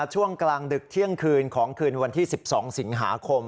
ช่วงกลางดึกเที่ยงคืนของคืนวันที่๑๒สิงหาคม